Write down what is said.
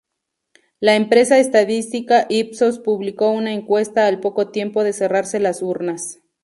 La empresa estadística Ipsos publicó una encuesta al poco tiempo de cerrarse las urnas.